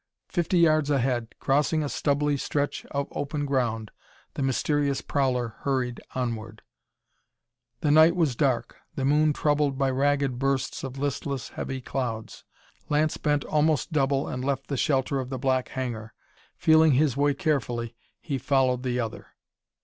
Fifty yards ahead, crossing a stubbly stretch of open ground, the mysterious prowler hurried onward. The night was dark, the moon troubled by ragged bursts of listless, heavy clouds. Lance bent almost double and left the shelter of the black hangar. Feeling his way carefully, he followed the other.